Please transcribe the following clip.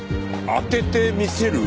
当ててみせる？